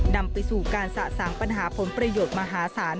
นำไปสู่การสะสางปัญหาผลประโยชน์มหาศาล